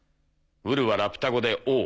ウルはラピュタ語で「王」